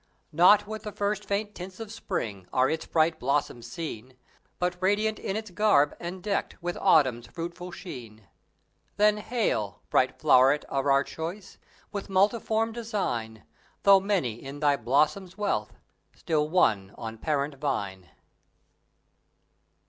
Not with the first faint tints of Spring Are its bright blossoms seen; But, radiant in its garb, and decked With Autumn's fruitful sheen. Then hail! bright floweret of our choice With multiform design; Though many in thy blossom's wealth, Still one on parent vine!